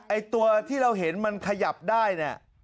ไอ้ตัวที่เราเห็นมันขยับได้เนี่ย